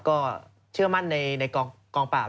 ก็เชื่อมั่นในกองปราบ